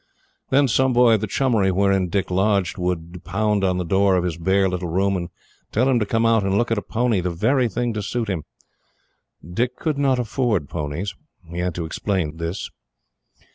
Then some boy of the chummery wherein Dicky lodged would pound on the door of his bare little room, and tell him to come out and look at a pony the very thing to suit him. Dicky could not afford ponies. He had to explain this.